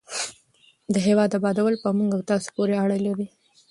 د هېواد ابادول په موږ او تاسو پورې اړه لري.